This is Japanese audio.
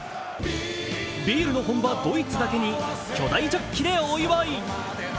ビールの本場・ドイツだけに巨大ジョッキでお祝い。